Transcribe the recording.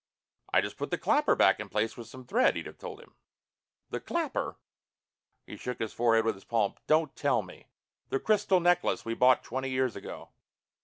"I just put the clapper back in place with some thread," Edith told him. "The clapper?" He struck his forehead with his palm. "Don't tell me the crystal necklace we bought twenty years ago!"